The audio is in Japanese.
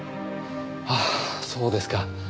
はあそうですか。